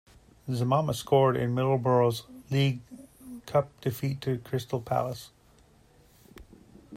Zemmama scored in Middlesbrough's League Cup defeat to Crystal Palace.